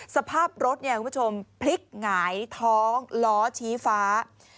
สภาพรถพลิกหงายท้องล้อชี้ฟ้า